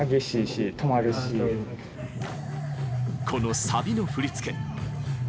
このサビの振り付け。